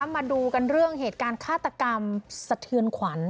มาดูกันเรื่องเหตุการณ์ฆาตกรรมสะเทือนขวัญ